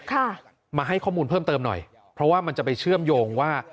ค่ะมาให้ข้อมูลเพิ่มเติมหน่อยเพราะว่ามันจะไปเชื่อมโยงว่า